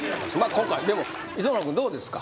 今回でも磯村くんどうですか？